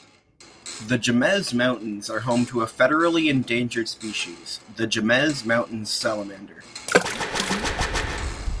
The Jemez Mountains are home to a federally endangered species, the Jemez Mountains salamander.